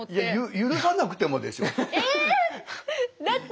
いや許さなくてもでしょ。